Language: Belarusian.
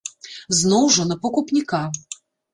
Зноў жа, на пакупніка.